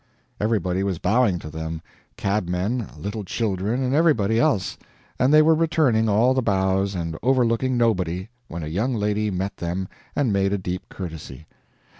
Everybody was bowing to them cabmen, little children, and everybody else and they were returning all the bows and overlooking nobody, when a young lady met them and made a deep courtesy.